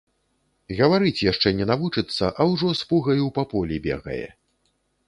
Гаварыць яшчэ не навучыцца, а ўжо з пугаю па полі бегае.